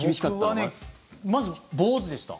僕はねまず、坊主でした。